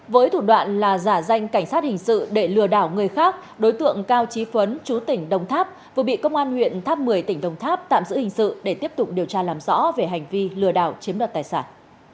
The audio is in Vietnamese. với thủ đoạn là giả danh cảnh sát hình sự để lừa đảo người khác đối tượng cao trí phấn chú tỉnh đồng tháp vừa bị công an huyện tháp một mươi tỉnh đồng tháp tạm giữ hình sự để tiếp tục điều tra làm rõ về hành vi lừa đảo chiếm đoạt tài sản